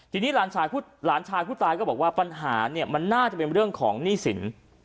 ทีนี้หลานชายผู้ตายก็บอกว่าปัญหาเนี่ยมันน่าจะเป็นเรื่องของหนี้สิน